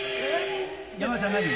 山里さん、何？